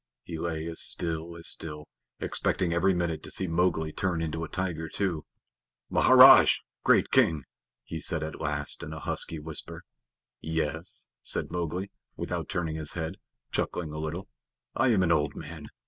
He lay as still as still, expecting every minute to see Mowgli turn into a tiger too. "Maharaj! Great King," he said at last in a husky whisper. "Yes," said Mowgli, without turning his head, chuckling a little. "I am an old man.